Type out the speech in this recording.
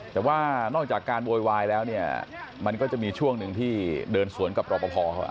แต่ว่านอกจากการโวยวายแล้วเนี่ยมันก็จะมีช่วงหนึ่งที่เดินสวนกับรอปภเขา